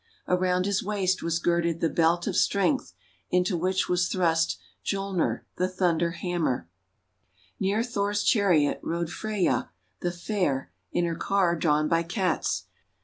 Around his waist was girded the Belt of Strength, into which was thrust Mjolner the Thunder Hammer. 216 THE WONDER GARDEN Near Thor's chariot rode Freyja the Fair in her car drawn by Cats.